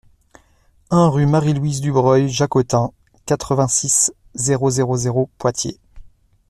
un rUE MARIE-LOUISE DUBREUIL-JACOTIN, quatre-vingt-six, zéro zéro zéro, Poitiers